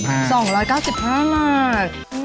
๒๙๕บาท